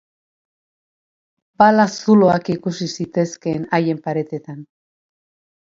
Bala zuloak ikus zitezkeen haien paretetan.